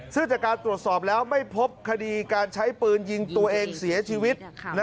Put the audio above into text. ซึ่งจากการตรวจสอบแล้วไม่พบคดีการใช้ปืนยิงตัวเองเสียชีวิต